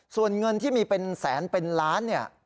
ส่วนเงินที่มีเป็นแสนเป็นล้านเนี่ย